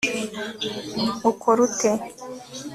Ukora ute